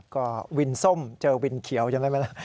ก็วินส้มเจอวินเขียวจำได้ไหมล่ะ